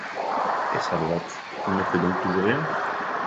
Et Salvat, il ne fait donc toujours rien?